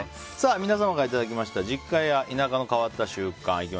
皆さんからいただいた実家や田舎の変わった習慣。